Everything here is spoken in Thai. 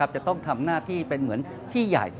จะต้องทำหน้าที่เป็นเหมือนพี่ใหญ่